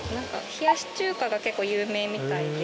冷やし中華が結構有名みたいで。